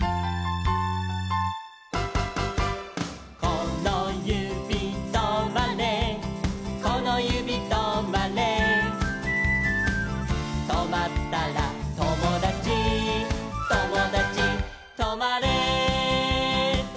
「このゆびとまれこのゆびとまれ」「とまったらともだちともだちとまれ」